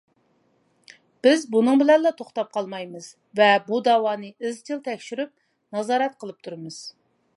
بىز بۇنىڭ بىلەنلا توختاپ قالمايمىز ۋە بۇ دەۋانى ئىزچىل تەكشۈرۈپ، نازارەت قىلىپ تۇرىمىز.